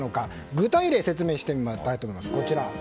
具体例を説明したいと思います。